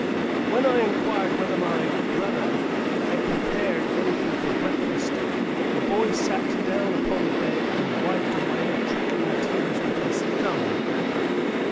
When I inquired whether my "brother" had prepared anything for breakfast, the boy sat down upon the bed and wiped away the trickling tears with his thumb.